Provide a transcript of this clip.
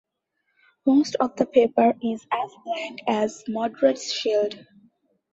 Most of the paper is as blank as Modred's shield.